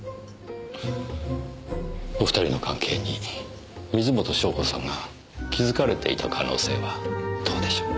お二人の関係に水元湘子さんが気づかれていた可能性はどうでしょう？